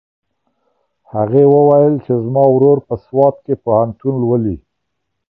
هغې وویل چې زما ورور په سوات کې پوهنتون لولي.